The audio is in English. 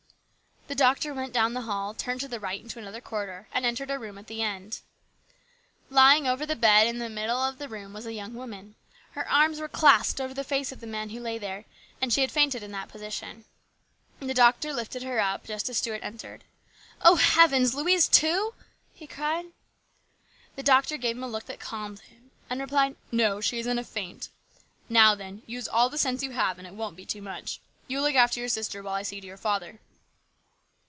The doctor went down the hall, turned to the right into another corridor, and entered a room at the end. Lying over the bed in the middle of the room was a young woman. Her arms were clasped over the face of the man who lay there, and she had fainted in that position. The doctor lifted her up just as Stuart entered. " Oh, heavens ! Louise too !" he cried. The doctor gave him a look that calmed him and replied :" No, she is in a faint. Now, then, use all the sense you have and it won't be too much. You look after your sister while I see to your father."